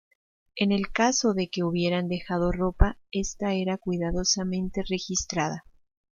En el caso de que hubieran dejado ropa, esta era cuidadosamente registrada.